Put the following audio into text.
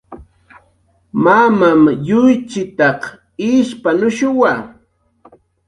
Mamam yuychitaq ishpanushumwa